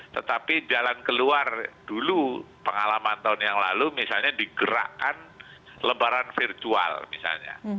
tetapi jalan keluar dulu pengalaman tahun yang lalu misalnya digerakkan lebaran virtual misalnya